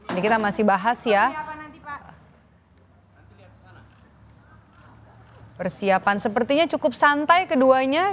ini kita masih bahas ya